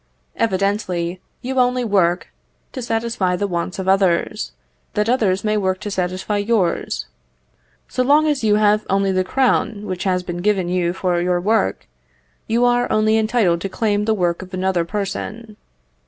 Evidently you only work to satisfy the wants of others, that others may work to satisfy yours. So long as you have only the crown which has been given you for your work, you are only entitled to claim the work of another person.